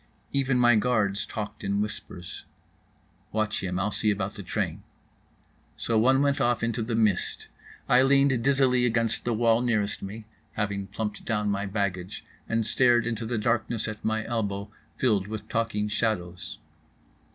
Even my guards talked in whispers. "Watch him, I'll see about the train." So one went off into the mist. I leaned dizzily against the wall nearest me (having plumped down my baggage) and stared into the darkness at my elbow, filled with talking shadows.